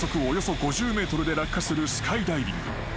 およそ５０ｍで落下するスカイダイビング］